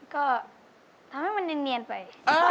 ก็ทำให้มันเนียนไป